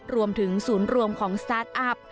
รวมถึงศูนย์รวมของสตาร์ทอัพ